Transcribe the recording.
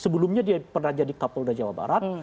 sebelumnya dia pernah jadi kapolda jawa barat